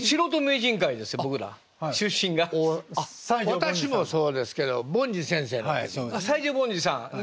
私もそうですけど凡児先生の時ですね。